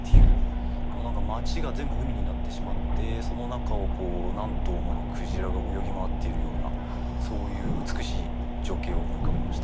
町が全部海になってしまってその中を何頭もの鯨が泳ぎ回っているようなそういう美しい情景を思い浮かべました。